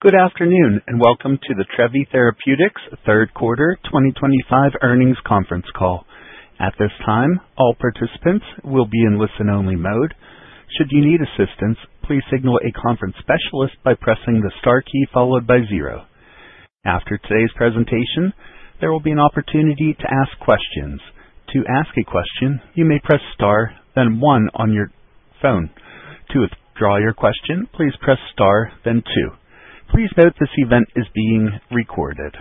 Good afternoon and welcome to the Trevi Therapeutics third quarter 2025 earnings conference call. At this time, all participants will be in listen-only mode. Should you need assistance, please signal a conference specialist by pressing the star key followed by zero. After today's presentation, there will be an opportunity to ask questions. To ask a question, you may press star, then one on your phone. To withdraw your question, please press star, then two. Please note this event is being recorded.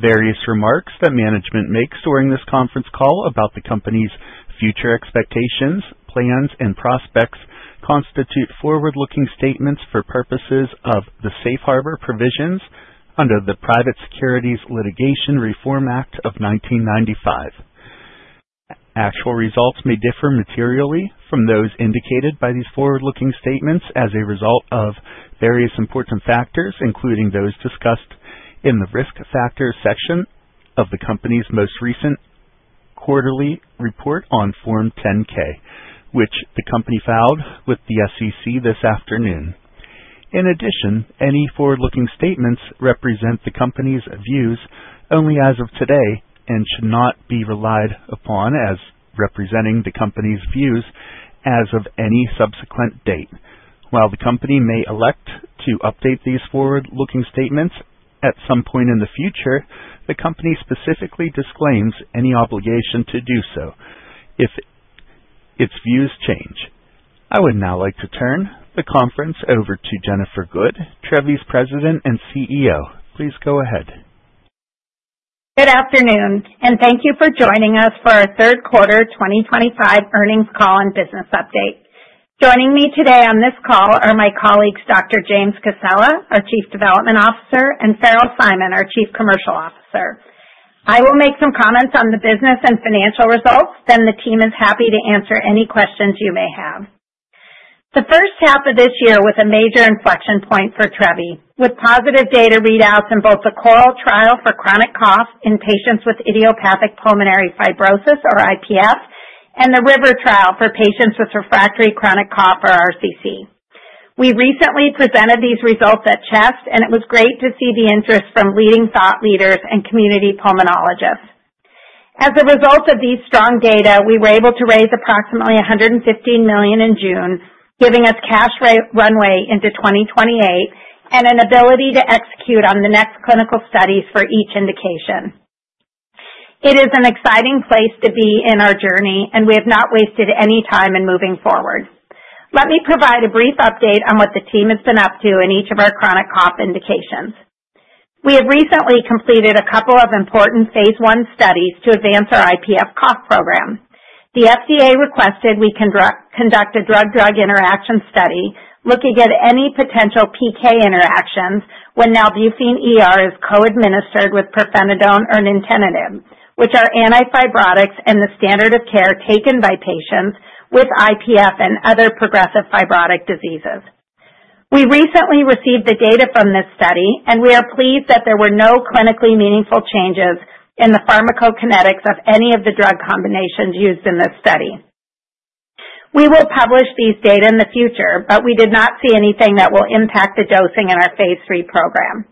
Various remarks that management makes during this conference call about the company's future expectations, plans, and prospects constitute forward-looking statements for purposes of the safe harbor provisions under the Private Securities Litigation Reform Act of 1995. Actual results may differ materially from those indicated by these forward-looking statements as a result of various important factors, including those discussed in the risk factor section of the company's most recent quarterly report on Form 10-K, which the company filed with the SEC this afternoon. In addition, any forward-looking statements represent the company's views only as of today and should not be relied upon as representing the company's views as of any subsequent date. While the company may elect to update these forward-looking statements at some point in the future, the company specifically disclaims any obligation to do so if its views change. I would now like to turn the conference over to Jennifer Good, Trevi's President and CEO. Please go ahead. Good afternoon, and thank you for joining us for our third quarter 2025 earnings call and business update. Joining me today on this call are my colleagues, Dr. James Cassella, our Chief Development Officer, and Farrell Simon, our Chief Commercial Officer. I will make some comments on the business and financial results, then the team is happy to answer any questions you may have. The first half of this year was a major inflection point for Trevi, with positive data readouts in both the CORAL trial for chronic cough in patients with idiopathic pulmonary fibrosis, or IPF, and the RIVER trial for patients with refractory chronic cough, or RCC. We recently presented these results at CHEST, and it was great to see the interest from leading thought leaders and community pulmonologists. As a result of these strong data, we were able to raise approximately $115 million in June, giving us cash runway into 2028 and an ability to execute on the next clinical studies for each indication. It is an exciting place to be in our journey, and we have not wasted any time in moving forward. Let me provide a brief update on what the team has been up to in each of our chronic cough indications. We have recently completed a couple of important phase I studies to advance our IPF cough program. The FDA requested we conduct a drug-drug interaction study looking at any potential PK interactions when nalbuphine ER is co-administered with pirfenidone or nintedanib, which are anti-fibrotics and the standard of care taken by patients with IPF and other progressive fibrotic diseases. We recently received the data from this study, and we are pleased that there were no clinically meaningful changes in the pharmacokinetics of any of the drug combinations used in this study. We will publish these data in the future, but we did not see anything that will impact the dosing in our phase III program.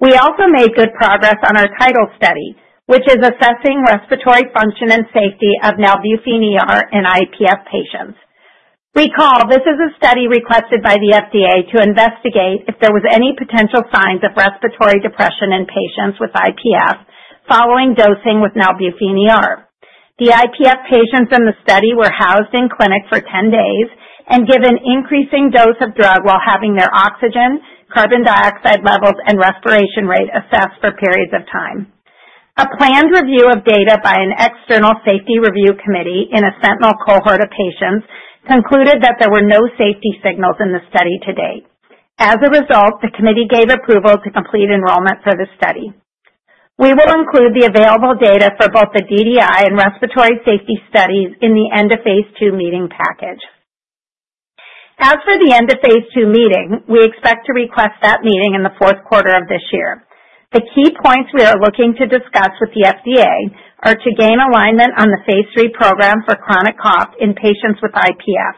We also made good progress on our TIDAL study, which is assessing respiratory function and safety of nalbuphine ER in IPF patients. Recall, this is a study requested by the FDA to investigate if there were any potential signs of respiratory depression in patients with IPF following dosing with nalbuphine ER. The IPF patients in the study were housed in clinic for 10 days and given an increasing dose of drug while having their oxygen, carbon dioxide levels, and respiration rate assessed for periods of time. A planned review of data by an external safety review committee in a sentinel cohort of patients concluded that there were no safety signals in the study to date. As a result, the committee gave approval to complete enrollment for the study. We will include the available data for both the DDI and respiratory safety studies in the end of phase II meeting package. As for the end of phase II meeting, we expect to request that meeting in the fourth quarter of this year. The key points we are looking to discuss with the FDA are to gain alignment on the phase III program for chronic cough in patients with IPF,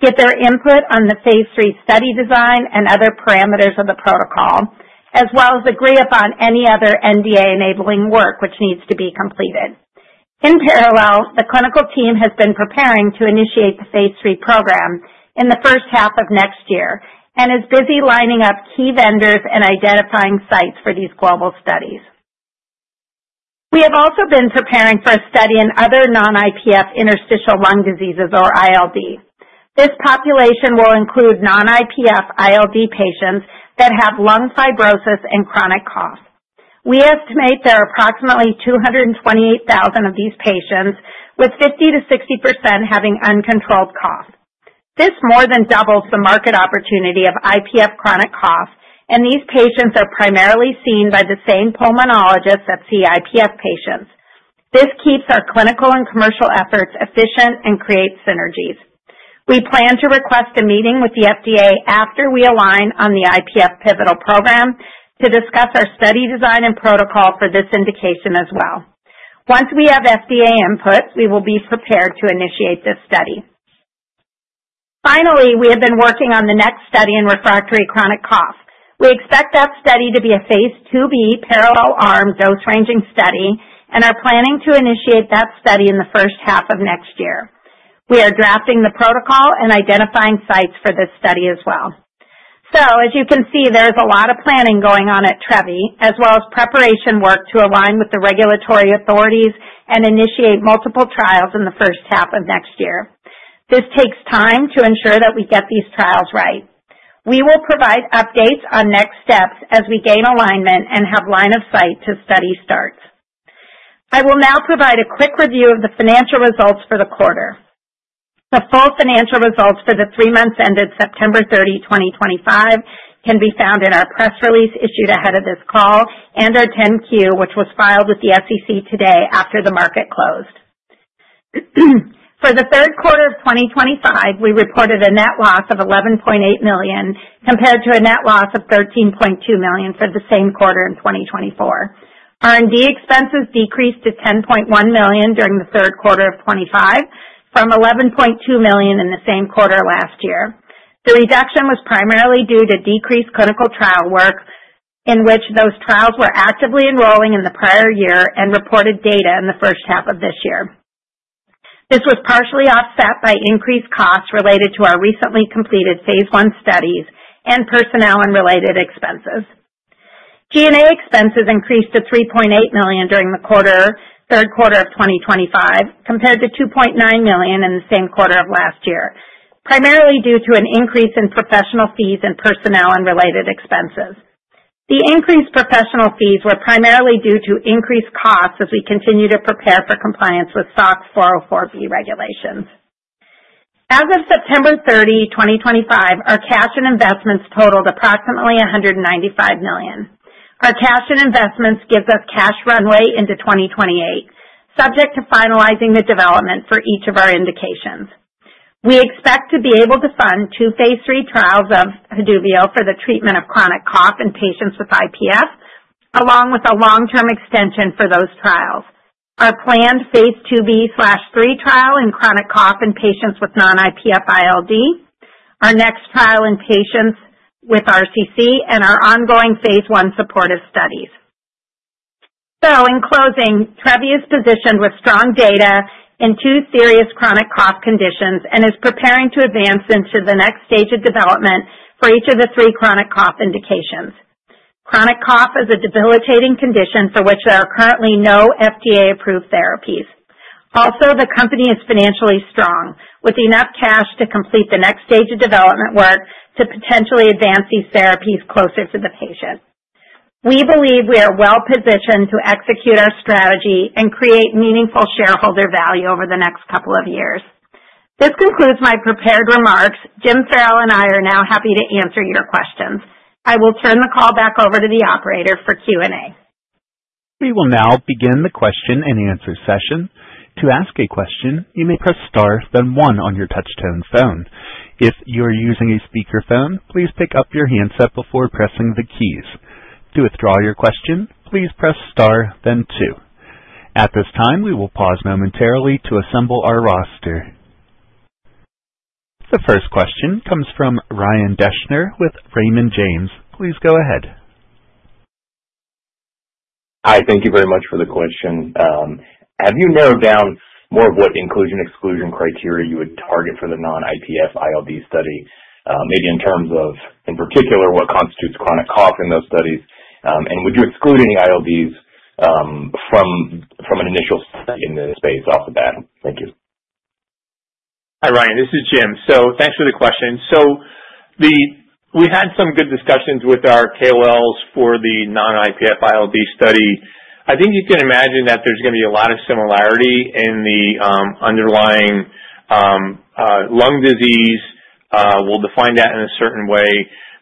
get their input on the phase III study design and other parameters of the protocol, as well as agree upon any other NDA-enabling work which needs to be completed. In parallel, the clinical team has been preparing to initiate the phase III program in the first half of next year and is busy lining up key vendors and identifying sites for these global studies. We have also been preparing for a study in other non-IPF interstitial lung diseases, or ILD. This population will include non-IPF ILD patients that have lung fibrosis and chronic cough. We estimate there are approximately 228,000 of these patients, with 50%-60% having uncontrolled cough. This more than doubles the market opportunity of IPF chronic cough, and these patients are primarily seen by the same pulmonologists that see IPF patients. This keeps our clinical and commercial efforts efficient and creates synergies. We plan to request a meeting with the FDA after we align on the IPF pivotal program to discuss our study design and protocol for this indication as well. Once we have FDA input, we will be prepared to initiate this study. Finally, we have been working on the next study in refractory chronic cough. We expect that study to be a phase IIb parallel arm dose-ranging study and are planning to initiate that study in the first half of next year. We are drafting the protocol and identifying sites for this study as well. As you can see, there is a lot of planning going on at Trevi, as well as preparation work to align with the regulatory authorities and initiate multiple trials in the first half of next year. This takes time to ensure that we get these trials right. We will provide updates on next steps as we gain alignment and have line of sight to study starts. I will now provide a quick review of the financial results for the quarter. The full financial results for the three months ended September 30, 2025, can be found in our press release issued ahead of this call and our 10-Q, which was filed with the SEC today after the market closed. For the third quarter of 2025, we reported a net loss of $11.8 million compared to a net loss of $13.2 million for the same quarter in 2024. R&D expenses decreased to $10.1 million during the third quarter of 2025, from $11.2 million in the same quarter last year. The reduction was primarily due to decreased clinical trial work in which those trials were actively enrolling in the prior year and reported data in the first half of this year. This was partially offset by increased costs related to our recently completed phase I studies and personnel and related expenses. G&A expenses increased to $3.8 million during the third quarter of 2025 compared to $2.9 million in the same quarter of last year, primarily due to an increase in professional fees and personnel and related expenses. The increased professional fees were primarily due to increased costs as we continue to prepare for compliance with SOX 404(b) regulations. As of September 30, 2025, our cash and investments totaled approximately $195 million. Our cash and investments give us cash runway into 2028, subject to finalizing the development for each of our indications. We expect to be able to fund two phase III trials of Haduvio for the treatment of chronic cough in patients with IPF, along with a long-term extension for those trials. Our planned phase IIb/III trial in chronic cough in patients with non-IPF ILD, our next trial in patients with RCC, and our ongoing phase 1 supportive studies. In closing, Trevi is positioned with strong data in two serious chronic cough conditions and is preparing to advance into the next stage of development for each of the three chronic cough indications. Chronic cough is a debilitating condition for which there are currently no FDA-approved therapies. Also, the company is financially strong, with enough cash to complete the next stage of development work to potentially advance these therapies closer to the patient. We believe we are well positioned to execute our strategy and create meaningful shareholder value over the next couple of years. This concludes my prepared remarks. Jim, Farrell, and I are now happy to answer your questions. I will turn the call back over to the operator for Q&A. We will now begin the question and answer session. To ask a question, you may press star, then one on your touchtone phone. If you are using a speakerphone, please pick up your handset before pressing the keys. To withdraw your question, please press star, then two. At this time, we will pause momentarily to assemble our roster. The first question comes from Ryan Deschner with Raymond James. Please go ahead. Hi, thank you very much for the question. Have you narrowed down more of what inclusion/exclusion criteria you would target for the non-IPF ILD study, maybe in terms of, in particular, what constitutes chronic cough in those studies? Would you exclude any ILDs from an initial study in this space off the bat? Thank you. Hi, Ryan. This is Jim. Thanks for the question. We had some good discussions with our KOLs for the non-IPF ILD study. I think you can imagine that there's going to be a lot of similarity in the underlying lung disease. We'll define that in a certain way.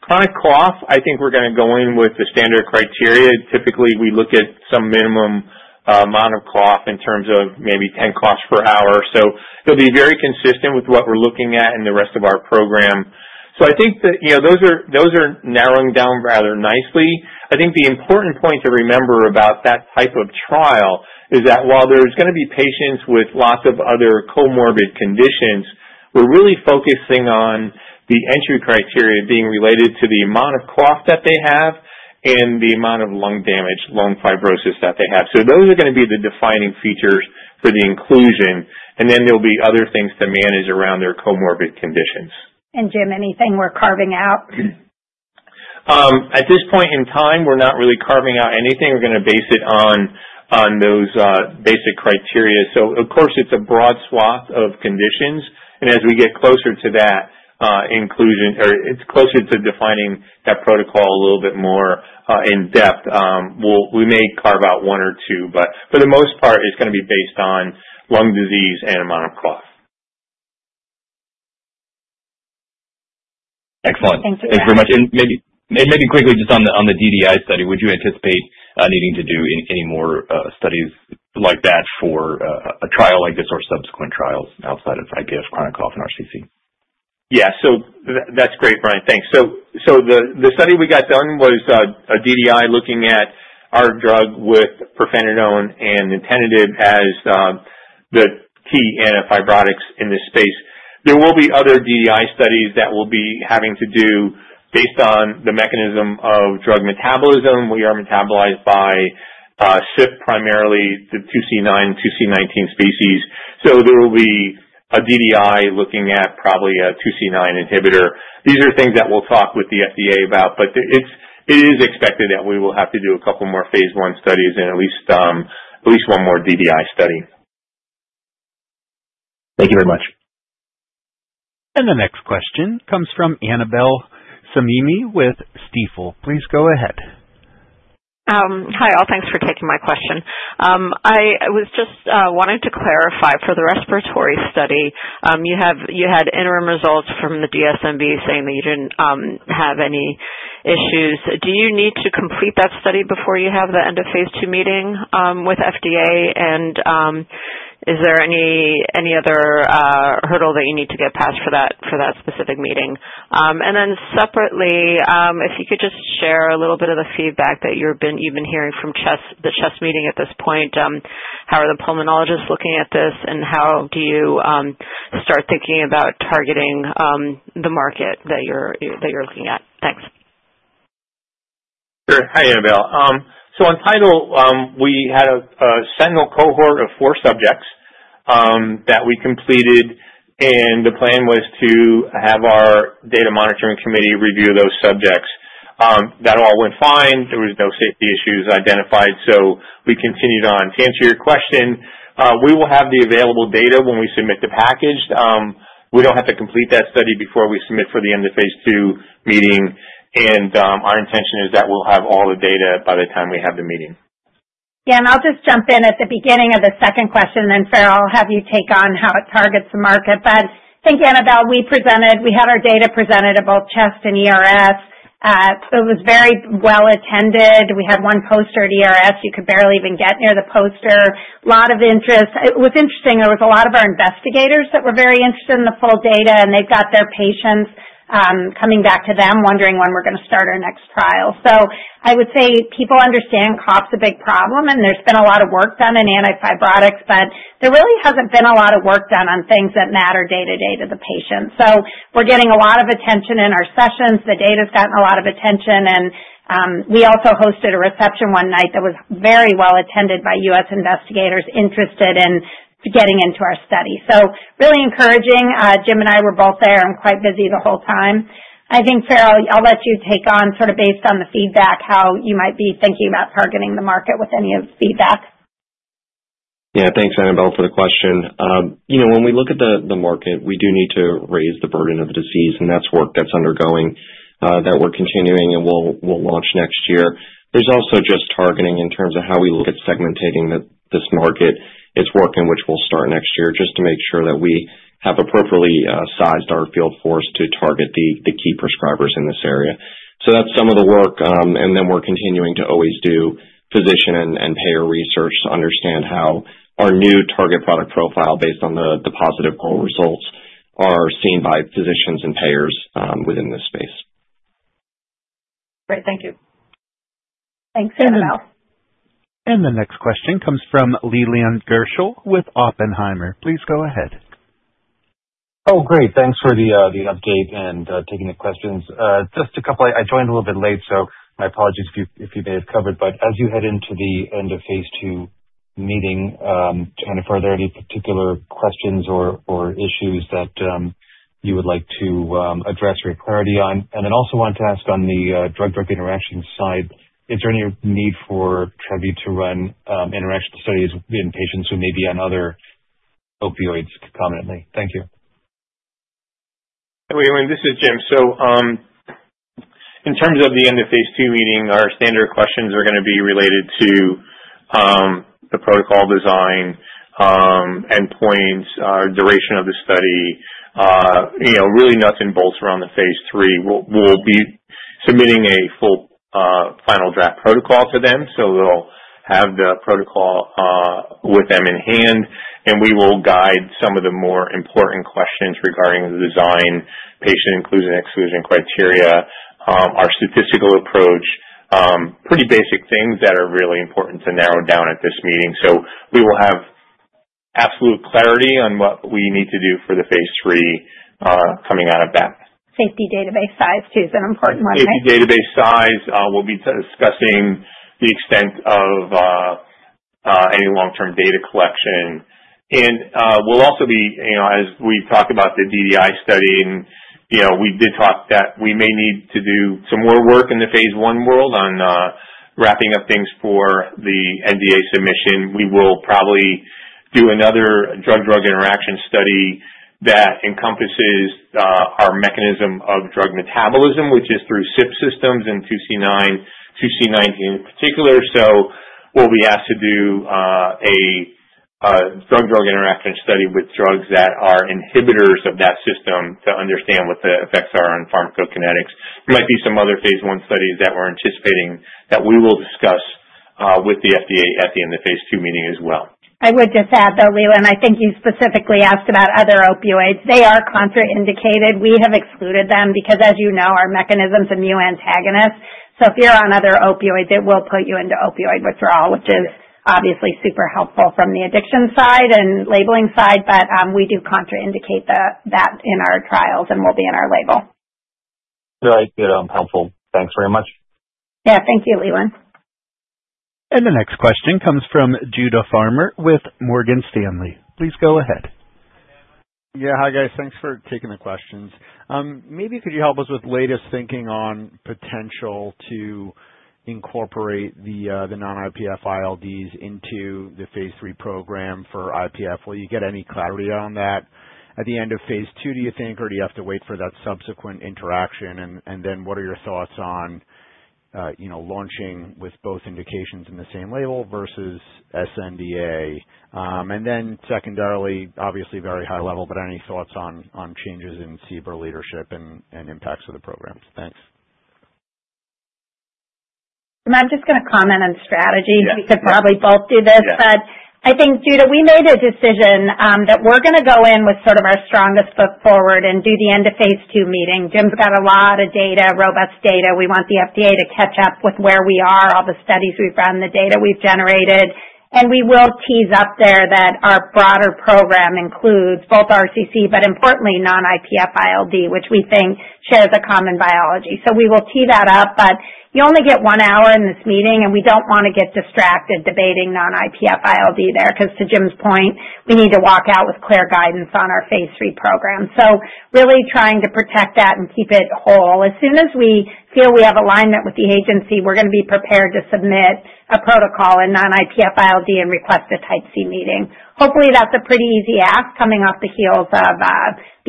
Chronic cough, I think we're going to go in with the standard criteria. Typically, we look at some minimum amount of cough in terms of maybe 10 coughs per hour. It will be very consistent with what we're looking at in the rest of our program. I think that those are narrowing down rather nicely. I think the important point to remember about that type of trial is that while there's going to be patients with lots of other comorbid conditions, we're really focusing on the entry criteria being related to the amount of cough that they have and the amount of lung damage, lung fibrosis that they have. Those are going to be the defining features for the inclusion. There'll be other things to manage around their comorbid conditions. Jim, anything we're carving out? At this point in time, we're not really carving out anything. We're going to base it on those basic criteria. Of course, it's a broad swath of conditions. As we get closer to that inclusion, or it's closer to defining that protocol a little bit more in depth, we may carve out one or two. For the most part, it's going to be based on lung disease and amount of cough. Excellent. Thank you. Thanks very much. Maybe quickly, just on the DDI study, would you anticipate needing to do any more studies like that for a trial like this or subsequent trials outside of IPF, chronic cough, and RCC? Yeah. That's great, Brian. Thanks. The study we got done was a DDI looking at our drug with pirfenidone and nintedanib as the key anti-fibrotics in this space. There will be other DDI studies that we'll be having to do based on the mechanism of drug metabolism. We are metabolized by CYP, primarily the 2C9, 2C19 species. There will be a DDI looking at probably a 2C9 inhibitor. These are things that we'll talk with the FDA about. It is expected that we will have to do a couple more phase I studies and at least one more DDI study. Thank you very much. The next question comes from Annabel Samimy with Stifel. Please go ahead. Hi, all. Thanks for taking my question. I was just wanting to clarify for the respiratory study. You had interim results from the DSMV saying that you did not have any issues. Do you need to complete that study before you have the end of phase II meeting with FDA? Is there any other hurdle that you need to get past for that specific meeting? Separately, if you could just share a little bit of the feedback that you have been hearing from the CHEST meeting at this point, how are the pulmonologists looking at this, and how do you start thinking about targeting the market that you are looking at? Thanks. Sure. Hi, Annabel. On TIDAL, we had a sentinel cohort of four subjects that we completed, and the plan was to have our data monitoring committee review those subjects. That all went fine. There were no safety issues identified. We continued on. To answer your question, we will have the available data when we submit the package. We do not have to complete that study before we submit for the end of phase II meeting. Our intention is that we will have all the data by the time we have the meeting. Yeah. I'll just jump in at the beginning of the second question, and then Farrell will have you take on how it targets the market. I think, Annabel, we had our data presented at both CHEST and ERS. It was very well attended. We had one poster at ERS. You could barely even get near the poster. A lot of interest. It was interesting. There was a lot of our investigators that were very interested in the full data, and they've got their patients coming back to them wondering when we're going to start our next trial. I would say people understand cough's a big problem, and there's been a lot of work done in anti-fibrotics, but there really hasn't been a lot of work done on things that matter day-to-day to the patient. We're getting a lot of attention in our sessions. The data's gotten a lot of attention. We also hosted a reception one night that was very well attended by U.S. investigators interested in getting into our study. Really encouraging. Jim and I were both there. I'm quite busy the whole time. I think, Farrell, I'll let you take on sort of based on the feedback how you might be thinking about targeting the market with any of the feedback. Yeah. Thanks, Annabel, for the question. When we look at the market, we do need to raise the burden of the disease, and that's work that's ongoing that we're continuing and we'll launch next year. There's also just targeting in terms of how we look at segmentating this market. It's work in which we'll start next year just to make sure that we have appropriately sized our field force to target the key prescribers in this area. That's some of the work. We're continuing to always do physician and payer research to understand how our new target product profile based on the positive poll results are seen by physicians and payers within this space. Great. Thank you. Thanks, Annabel. The next question comes from Leland Gershell with Oppenheimer. Please go ahead. Oh, great. Thanks for the update and taking the questions. Just a couple of—I joined a little bit late, so my apologies if you may have covered. As you head into the end of phase II meeting, Jennifer, are there any particular questions or issues that you would like to address or get clarity on? I also wanted to ask on the drug-drug interaction side, is there any need for Trevi to run interaction studies in patients who may be on other opioids concomitantly? Thank you. Hey, Leland. This is Jim. In terms of the end of phase II meeting, our standard questions are going to be related to the protocol design, endpoints, duration of the study, really nuts and bolts around the phase III. We'll be submitting a full final draft protocol to them, so they'll have the protocol with them in hand. We will guide some of the more important questions regarding the design, patient inclusion/exclusion criteria, our statistical approach, pretty basic things that are really important to narrow down at this meeting. We will have absolute clarity on what we need to do for the phase III coming out of that. Safety database size too is an important one, right? Safety database size. We will be discussing the extent of any long-term data collection. We will also be, as we talked about, the DDI study, and we did talk that we may need to do some more work in the phase I world on wrapping up things for the NDA submission. We will probably do another drug-drug interaction study that encompasses our mechanism of drug metabolism, which is through CYP systems and 2C9, 2C19 in particular. We will be asked to do a drug-drug interaction study with drugs that are inhibitors of that system to understand what the effects are on pharmacokinetics. There might be some other phase I studies that we are anticipating that we will discuss with the FDA at the end of phase II meeting as well. I would just add, though, Waylen, I think you specifically asked about other opioids. They are contraindicated. We have excluded them because, as you know, our mechanisms are mu antagonists. If you're on other opioids, it will put you into opioid withdrawal, which is obviously super helpful from the addiction side and labeling side. We do contraindicate that in our trials, and it will be in our label. All right. Good. Helpful. Thanks very much. Yeah. Thank you, Leland. The next question comes from Judah Frommer with Morgan Stanley. Please go ahead. Yeah. Hi, guys. Thanks for taking the questions. Maybe could you help us with latest thinking on potential to incorporate the non-IPF ILDs into the phase III program for IPF? Will you get any clarity on that at the end of phase II, do you think? Or do you have to wait for that subsequent interaction? What are your thoughts on launching with both indications in the same label versus SNDA? Secondarily, obviously very high level, but any thoughts on changes in CDER leadership and impacts of the program? Thanks. I'm just going to comment on strategy. We could probably both do this. I think, Judah, we made a decision that we're going to go in with sort of our strongest foot forward and do the end of phase II meeting. Jim's got a lot of data, robust data. We want the FDA to catch up with where we are, all the studies we've run, the data we've generated. We will tease up there that our broader program includes both RCC, but importantly, non-IPF ILD, which we think shares a common biology. We will tee that up. You only get one hour in this meeting, and we don't want to get distracted debating non-IPF ILD there because, to Jim's point, we need to walk out with clear guidance on our phase III program. Really trying to protect that and keep it whole. As soon as we feel we have alignment with the agency, we're going to be prepared to submit a protocol in non-IPF ILD and request a type C meeting. Hopefully, that's a pretty easy ask coming off the heels of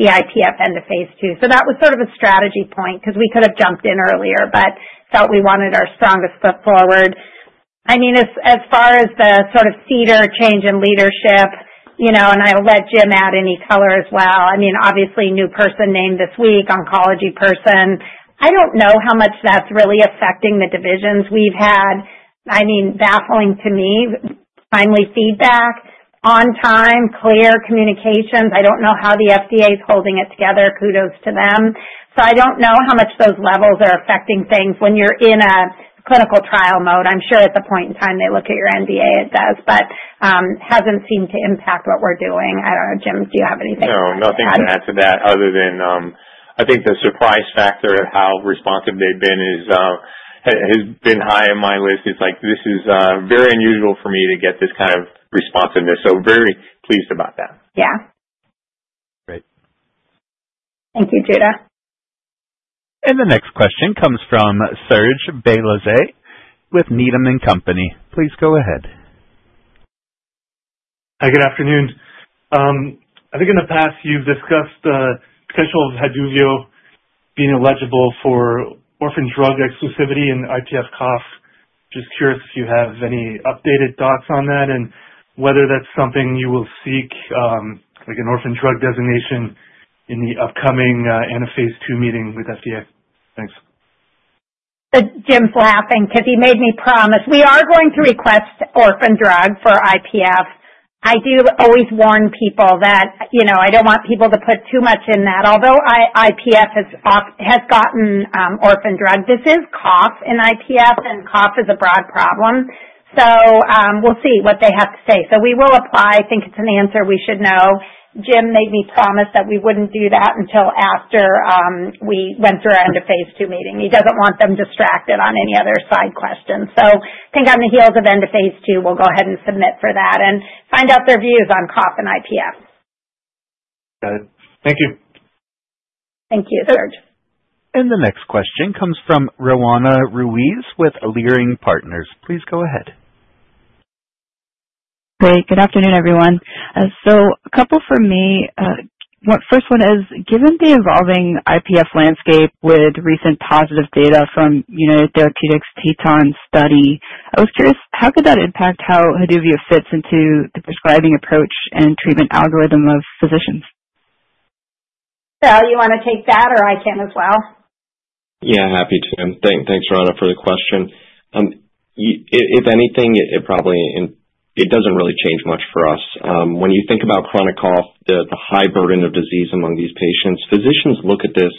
the IPF end of phase II. That was sort of a strategy point because we could have jumped in earlier, but felt we wanted our strongest foot forward. I mean, as far as the sort of CDER change in leadership, and I'll let Jim add any color as well. I mean, obviously, new person named this week, oncology person. I don't know how much that's really affecting the divisions we've had. I mean, baffling to me, timely feedback, on time, clear communications. I don't know how the FDA's holding it together. Kudos to them. I do not know how much those levels are affecting things when you are in a clinical trial mode. I am sure at the point in time they look at your NDA, it does. It has not seemed to impact what we are doing. I do not know. Jim, do you have anything? No. Nothing to add to that other than I think the surprise factor of how responsive they've been has been high on my list. It's like, "This is very unusual for me to get this kind of responsiveness." So very pleased about that. Yeah. Great. Thank you, Judah. The next question comes from Serge Belanger with Needham & Company. Please go ahead. Hi, good afternoon. I think in the past, you've discussed the potential of Haduvio being eligible for orphan drug exclusivity in IPF cough. Just curious if you have any updated thoughts on that and whether that's something you will seek, like an orphan drug designation, in the upcoming end of phase II meeting with FDA. Thanks. Jim's laughing because he made me promise. We are going to request orphan drug for IPF. I do always warn people that I don't want people to put too much in that. Although IPF has gotten orphan drug, this is cough in IPF, and cough is a broad problem. We'll see what they have to say. We will apply. I think it's an answer we should know. Jim made me promise that we wouldn't do that until after we went through our end of phase II meeting. He doesn't want them distracted on any other side questions. I think on the heels of end of phase II, we'll go ahead and submit for that and find out their views on cough in IPF. Got it. Thank you. Thank you, Serge. The next question comes from Roanna Ruiz with Leerink Partners. Please go ahead. Great. Good afternoon, everyone. A couple for me. First one is, given the evolving IPF landscape with recent positive data from United Therapeutics TETON study, I was curious, how could that impact how Haduvio fits into the prescribing approach and treatment algorithm of physicians? Farrell, you want to take that, or I can as well? Yeah. Happy to. Thanks, Rowana, for the question. If anything, it does not really change much for us. When you think about chronic cough, the high burden of disease among these patients, physicians look at this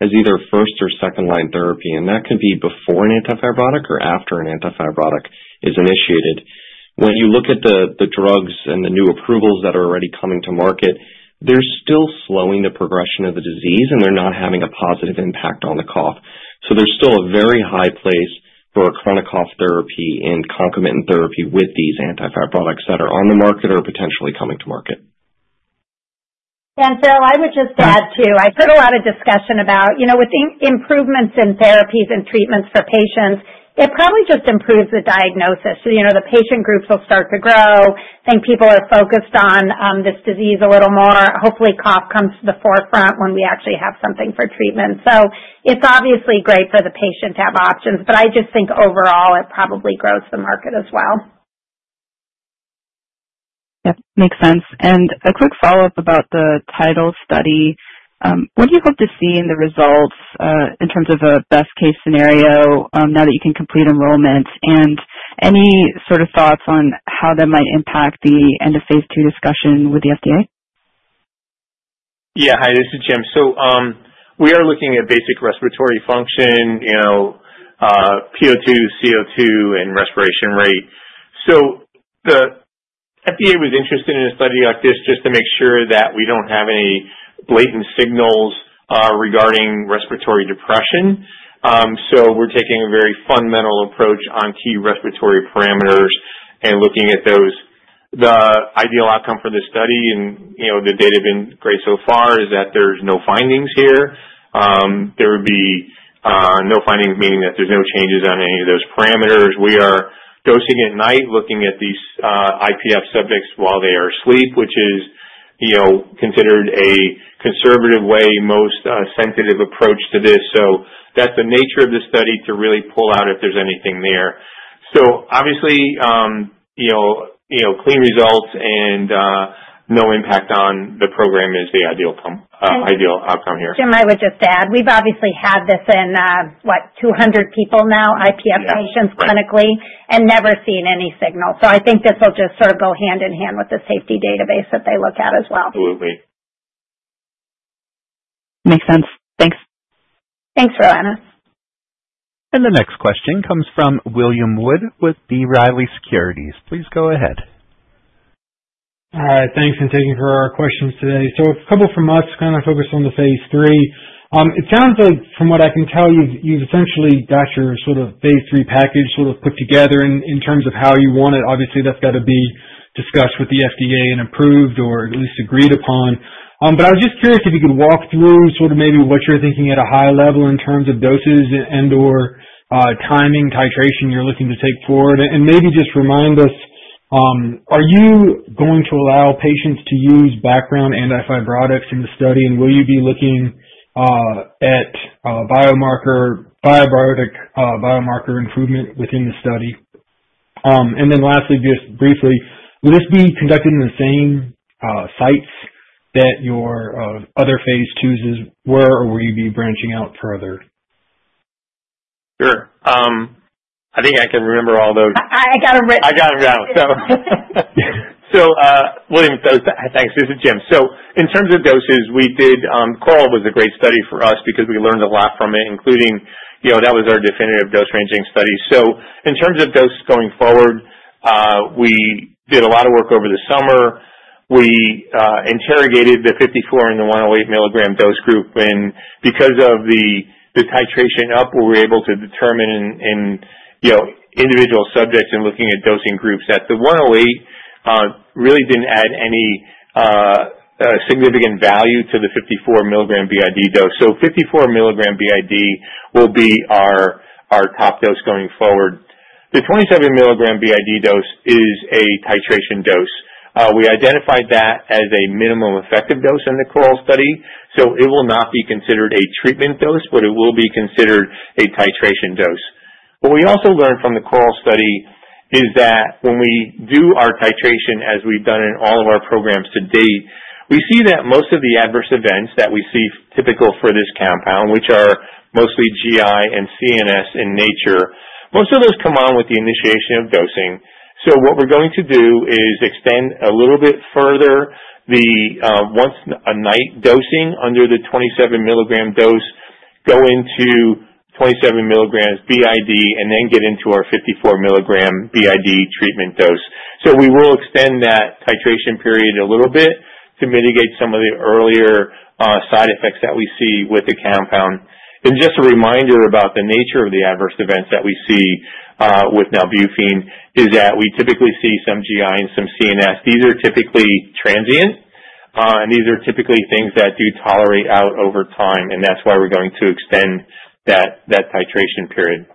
as either first or second-line therapy. That could be before an anti-fibrotic or after an anti-fibrotic is initiated. When you look at the drugs and the new approvals that are already coming to market, they are still slowing the progression of the disease, and they are not having a positive impact on the cough. There is still a very high place for chronic cough therapy and concomitant therapy with these anti-fibrotics that are on the market or potentially coming to market. Yeah. Farrell, I would just add too. I've heard a lot of discussion about with improvements in therapies and treatments for patients, it probably just improves the diagnosis. The patient groups will start to grow. I think people are focused on this disease a little more. Hopefully, cough comes to the forefront when we actually have something for treatment. It is obviously great for the patient to have options. I just think overall, it probably grows the market as well. Yep. Makes sense. A quick follow-up about the TIDAL study. What do you hope to see in the results in terms of a best-case scenario now that you can complete enrollment? Any sort of thoughts on how that might impact the end of phase II discussion with the FDA? Yeah. Hi, this is Jim. So we are looking at basic respiratory function, PO2, CO2, and respiration rate. The FDA was interested in a study like this just to make sure that we do not have any blatant signals regarding respiratory depression. We are taking a very fundamental approach on key respiratory parameters and looking at those. The ideal outcome for this study, and the data has been great so far, is that there are no findings here. There would be no findings, meaning that there are no changes on any of those parameters. We are dosing at night, looking at these IPF subjects while they are asleep, which is considered a conservative way, most sensitive approach to this. That is the nature of the study to really pull out if there is anything there. Obviously, clean results and no impact on the program is the ideal outcome here. Jim, I would just add, we've obviously had this in, what, 200 people now, IPF patients clinically, and never seen any signal. I think this will just sort of go hand in hand with the safety database that they look at as well. Absolutely. Makes sense. Thanks. Thanks, Rowana. The next question comes from William Wood with B. Riley Securities. Please go ahead. Hi. Thanks for taking care of our questions today. A couple from us kind of focused on the phase III. It sounds like, from what I can tell, you've essentially got your sort of phase III package sort of put together in terms of how you want it. Obviously, that's got to be discussed with the FDA and approved or at least agreed upon. I was just curious if you could walk through sort of maybe what you're thinking at a high level in terms of doses and/or timing, titration you're looking to take forward. Maybe just remind us, are you going to allow patients to use background anti-fibrotics in the study? Will you be looking at biomarker improvement within the study? Lastly, just briefly, will this be conducted in the same sites that your other phase IIs were or will you be branching out further? Sure. I think I can remember all those. I got them written. I got them down, so. William, thanks. This is Jim. In terms of doses, CORAL was a great study for us because we learned a lot from it, including that was our definitive dose-ranging study. In terms of dose going forward, we did a lot of work over the summer. We interrogated the 54 mg and the 108 mg dose group. Because of the titration up, we were able to determine in individual subjects and looking at dosing groups that the 108 really did not add any significant value to the 54 mg b.i.d. dose. So 54 mg b.i.d. will be our top dose going forward. The 27 mg b.i.d. dose is a titration dose. We identified that as a minimum effective dose in the CORAL study. It will not be considered a treatment dose, but it will be considered a titration dose. What we also learned from the CORAL trial is that when we do our titration, as we've done in all of our programs to date, we see that most of the adverse events that we see typical for this compound, which are mostly GI and CNS in nature, most of those come on with the initiation of dosing. What we are going to do is extend a little bit further the once-a-night dosing under the 27 mg dose, go into 27 mgs b.i.d., and then get into our 54 mg b.i.d. treatment dose. We will extend that titration period a little bit to mitigate some of the earlier side effects that we see with the compound. Just a reminder about the nature of the adverse events that we see with nalbuphine ER is that we typically see some GI and some CNS. These are typically transient, and these are typically things that do tolerate out over time. That is why we are going to extend that titration period.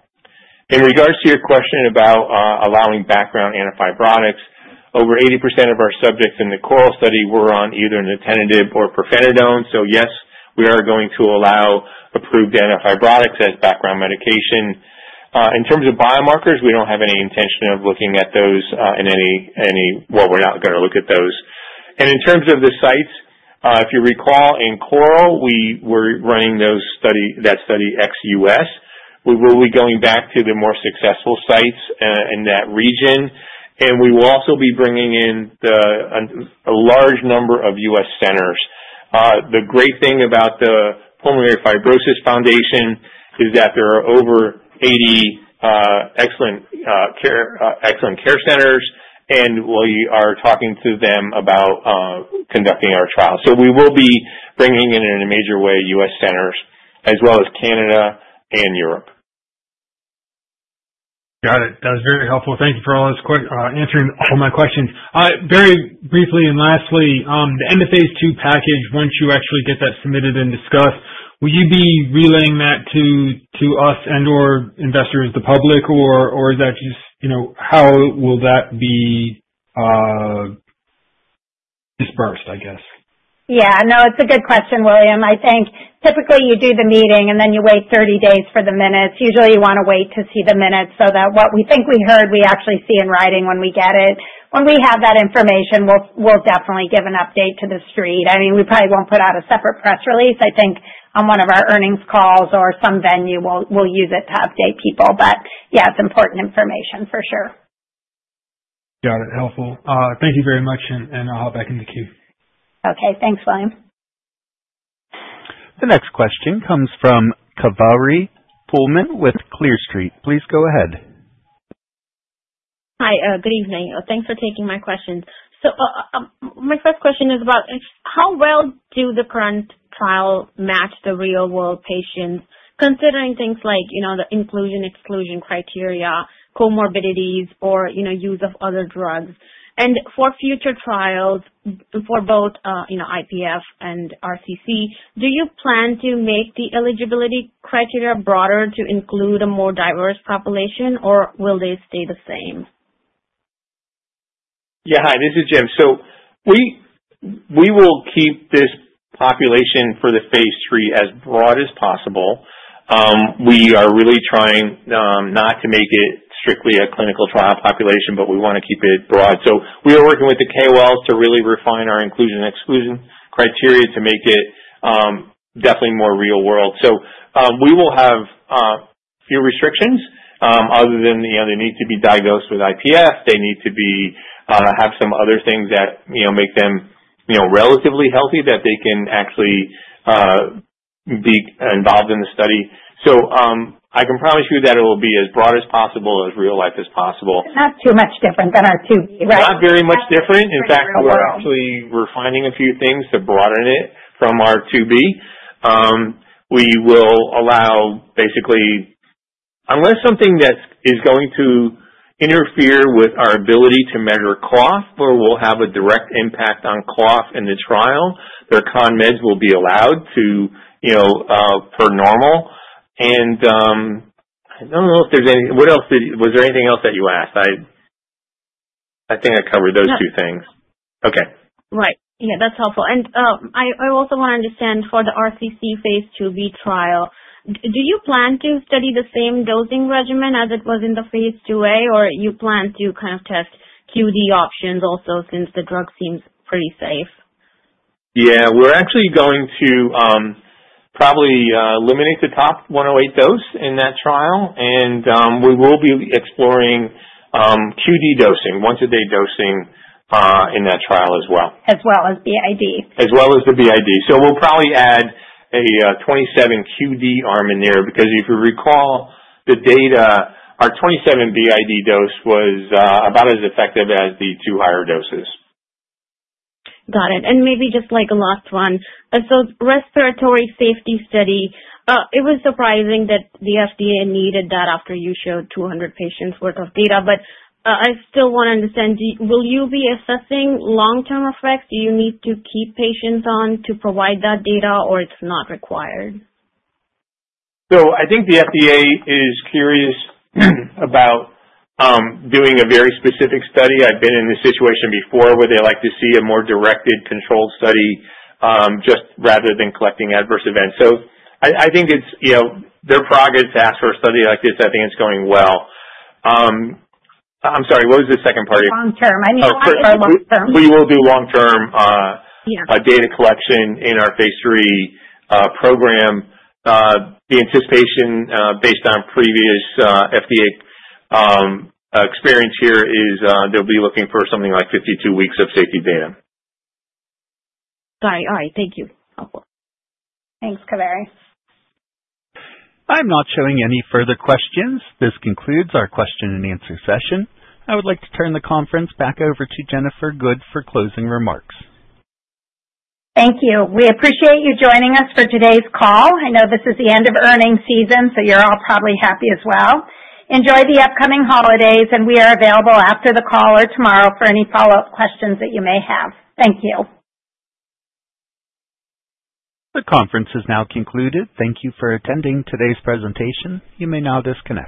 In regards to your question about allowing background anti-fibrotics, over 80% of our subjects in the CORAL study were on either nintedanib or pirfenidone. Yes, we are going to allow approved anti-fibrotics as background medication. In terms of biomarkers, we do not have any intention of looking at those in any, well, we are not going to look at those. In terms of the sites, if you recall, in CORAL, we were running that study ex-U.S. We will be going back to the more successful sites in that region. We will also be bringing in a large number of U.S. centers. The great thing about the Pulmonary Fibrosis Foundation is that there are over 80 excellent care centers, and we are talking to them about conducting our trial. We will be bringing in, in a major way, U.S. centers as well as Canada and Europe. Got it. That was very helpful. Thank you for answering all my questions. Very briefly and lastly, the end of phase II package, once you actually get that submitted and discussed, will you be relaying that to us and/or investors, the public, or is that just how will that be dispersed, I guess? Yeah. No, it's a good question, William. I think typically you do the meeting, and then you wait 30 days for the minutes. Usually, you want to wait to see the minutes so that what we think we heard, we actually see in writing when we get it. When we have that information, we'll definitely give an update to the street. I mean, we probably won't put out a separate press release. I think on one of our earnings calls or some venue, we'll use it to update people. Yeah, it's important information for sure. Got it. Helpful. Thank you very much, and I'll hop back into the queue. Okay. Thanks, William. The next question comes from Kaveri Pohlman with Clear Street. Please go ahead. Hi. Good evening. Thanks for taking my question. My first question is about how well do the current trial match the real-world patients, considering things like the inclusion/exclusion criteria, comorbidities, or use of other drugs? For future trials for both IPF and RCC, do you plan to make the eligibility criteria broader to include a more diverse population, or will they stay the same? Yeah. Hi. This is Jim. We will keep this population for the phase III as broad as possible. We are really trying not to make it strictly a clinical trial population, but we want to keep it broad. We are working with the KOLs to really refine our inclusion/exclusion criteria to make it definitely more real-world. We will have fewer restrictions other than they need to be diagnosed with IPF. They need to have some other things that make them relatively healthy that they can actually be involved in the study. I can promise you that it will be as broad as possible, as real-life as possible. It's not too much different than our IIb, right? Not very much different. In fact, we're actually refining a few things to broaden it from our IIb. We will allow basically unless something that is going to interfere with our ability to measure cough or will have a direct impact on cough in the trial, their con meds will be allowed to per normal. I do not know if there is any—was there anything else that you asked? I think I covered those two things. No. Okay. Right. Yeah. That's helpful. I also want to understand for the RCC phase IIb trial, do you plan to study the same dosing regimen as it was in the phase IIa, or do you plan to kind of test QD options also since the drug seems pretty safe? Yeah. We're actually going to probably eliminate the top 108 dose in that trial. We will be exploring QD dosing, once-a-day dosing in that trial as well. As well as b.i.d.? As well as the b.i.d. So we'll probably add a 27 QD arm in there because if you recall the data, our 27 b.i.d. dose was about as effective as the two higher doses. Got it. Maybe just like a last one. Respiratory safety study, it was surprising that the FDA needed that after you showed 200 patients' worth of data. I still want to understand, will you be assessing long-term effects? Do you need to keep patients on to provide that data, or it's not required? I think the FDA is curious about doing a very specific study. I've been in this situation before where they like to see a more directed, controlled study just rather than collecting adverse events. I think their prerogative to ask for a study like this, I think it's going well. I'm sorry. What was the second part? Long-term. I mean, our long-term. We will do long-term data collection in our phase III program. The anticipation based on previous FDA experience here is they'll be looking for something like 52 weeks of safety data. Sorry. All right. Thank you. Thanks, Kaveri. I'm not showing any further questions. This concludes our question-and-answer session. I would like to turn the conference back over to Jennifer Good for closing remarks. Thank you. We appreciate you joining us for today's call. I know this is the end of earnings season, so you're all probably happy as well. Enjoy the upcoming holidays, and we are available after the call or tomorrow for any follow-up questions that you may have. Thank you. The conference has now concluded. Thank you for attending today's presentation. You may now disconnect.